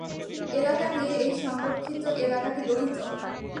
এলাকা নিয়ে এই সংরক্ষিত এলাকাটি গঠিত।